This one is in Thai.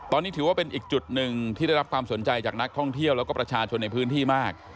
ตอนนี้ถือว่าเป็นอีกจุดหนึ่งที่ได้รับความสนใจจากนักท่องเที่ยวแล้วก็ประชาชนในพื้นที่มาก